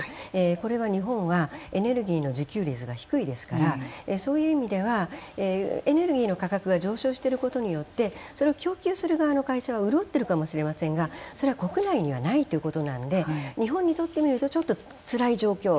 これは日本はエネルギーの自給率が低いですからそういう意味ではエネルギーの価格が上昇していることによってそれを供給する側の会社は潤っているかもしれませんがそれは国内にはないということなので日本にとってみるとちょっとつらい状況。